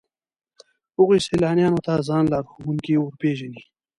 هغوی سیلانیانو ته ځان لارښوونکي ورپېژني.